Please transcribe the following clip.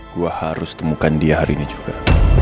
gue harus temukan dia hari ini juga